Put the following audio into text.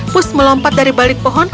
bus melompat dari balik pohon